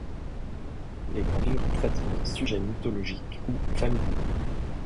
Les gravures traitent d'un sujet mythologique ou familier.